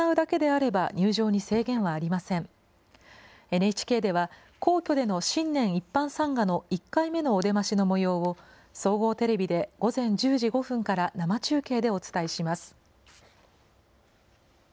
ＮＨＫでは、皇居での新年一般参賀の１回目のお出ましのもようを、総合テレビで午前１０時５分から生中継でお伝えします。